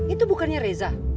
itu bukannya reza